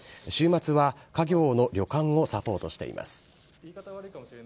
週末は家業の旅館をサポートしています。